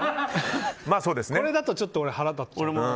これだとちょっと俺は腹立っちゃう。